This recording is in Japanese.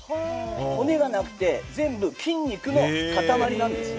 骨がなくて全部、筋肉の塊なんです。